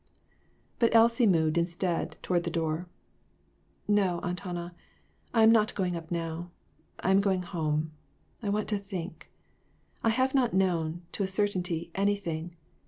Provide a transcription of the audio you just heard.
But Elsie moved, instead, toward the door. "No, Aunt Hannah, I am not going up now; I am going home. I want to think. I have not known, to a certainty, anything.